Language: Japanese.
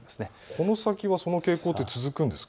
この先もこの傾向続くんですか。